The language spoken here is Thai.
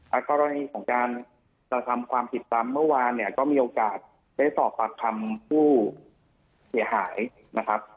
กรณีของการกระทำความผิดตามเมื่อวานเนี่ยก็มีโอกาสได้สอบปากคำผู้เสียหายนะครับ